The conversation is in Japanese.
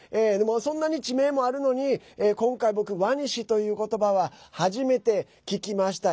そんなに地名もあるのに今回、僕ワニシということばは初めて聞きました。